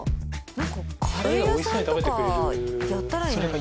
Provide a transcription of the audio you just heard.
なんかカレー屋さんとかやったらいいのにね。